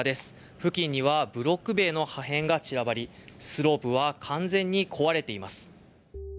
付近にはブロック塀の破片が散らばり、スロープは完全に壊れています。